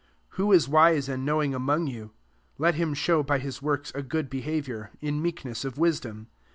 13 Who w wise and knowing among you? Let him show by his works a good behaviour, in meekness of wisdom.